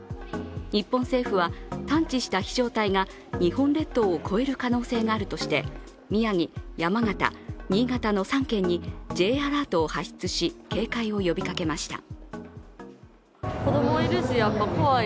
日本政府は探知した飛翔体が日本列島を越える可能性があるとして宮城・山形・新潟の３県にＪアラートを発出し警戒を呼びかけました。